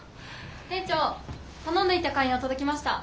店長頼んどいた観葉届きました。